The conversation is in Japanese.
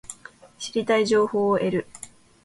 知りたい情報を得る